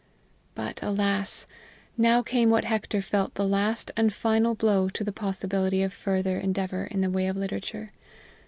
But, alas, now came what Hector felt the last and final blow to the possibility of farther endeavor in the way of literature!